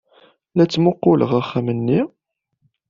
La ttmuqquleɣ axxam-nni.